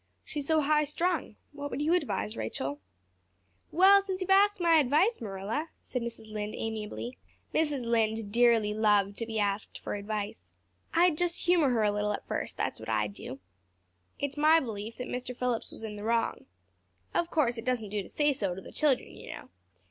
She's so high strung. What would you advise, Rachel?" "Well, since you've asked my advice, Marilla," said Mrs. Lynde amiably Mrs. Lynde dearly loved to be asked for advice "I'd just humor her a little at first, that's what I'd do. It's my belief that Mr. Phillips was in the wrong. Of course, it doesn't do to say so to the children, you know.